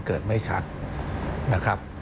เกิดไม่ชัดนะครับ